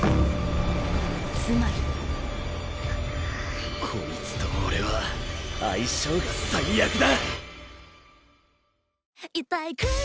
つまりこいつと俺は相性が最悪だ。